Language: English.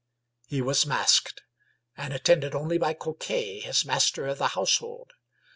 He was masked, and attended only by Coquet, his master of the household.